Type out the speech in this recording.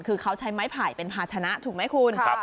คือเขาใช้ไม้ไผ่เป็นภาชนะถูกไหมคุณ